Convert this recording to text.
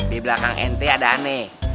di belakang nt ada aneh